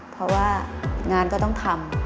เพราะว่างานก็ต้องทำ